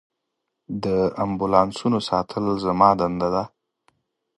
د امبولانسونو ساتل زما دنده ده.